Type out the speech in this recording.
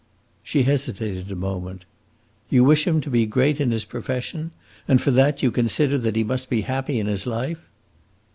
She hesitated a moment. "You wish him to be great in his profession? And for that you consider that he must be happy in his life?"